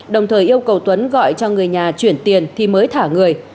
đồng thời yêu cầu tuấn gọi cho người nhà chuyển tiền thì mới thả người